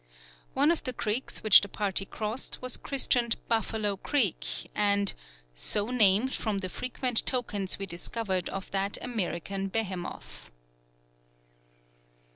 One of the creeks which the party crossed was christened Buffalo Creek, and "so named from the frequent tokens we discovered of that American Behemoth."